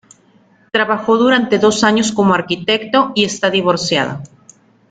Trabajó durante dos años como arquitecto y está divorciado.